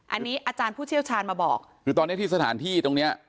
อันนี้อาจารย์ผู้เชี่ยวชาญมาบอกคือตอนเนี้ยที่สถานที่ตรงเนี้ย